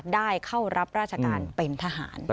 ได้เข้ารับราชการเป็นทหาร